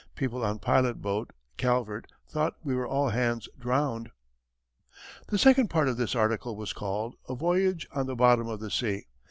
People on pilot boat Calvert thought we were all hands drowned. The second part of this article was called "A Voyage on the Bottom of the Sea."